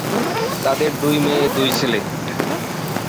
তাদের দুই মেয়ে, দুই ছেলে।